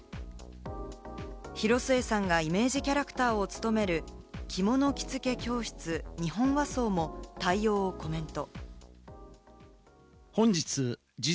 広末さんがイメージキャラクターを務める着物着付け教室・日本和装も対応をコメント。